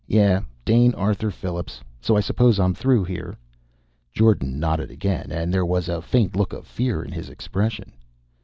"Yeah, Dane Arthur Phillips. So I suppose I'm through here?" Jordan nodded again and there was a faint look of fear in his expression.